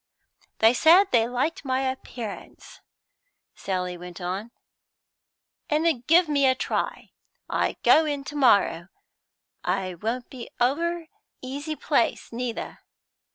"They said they liked my appearance," Sally went on, "and 'ud give me a try. I go in to morrow. It won't be a over easy place, neither.